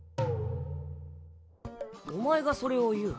お前がそれを言う？